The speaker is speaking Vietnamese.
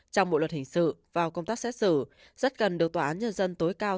trong bộ luật hình sự vào công tác xét xử rất cần được tòa án nhân dân tối cao